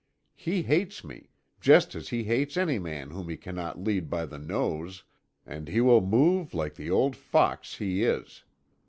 He hates me, just as he hates any man whom he cannot lead by the nose, and he will move like the old fox he is.